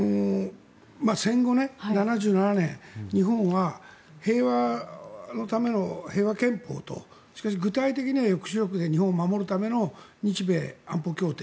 戦後７７年日本は平和のための平和憲法としかし、具体的には抑止力で日本を守るための日米安保協定